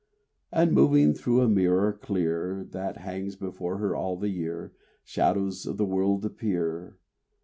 And moving through a mirror clear That hangs before her all the year, Shadows of the world appear.